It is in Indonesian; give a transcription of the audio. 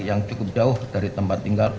yang cukup jauh dari tempat tinggal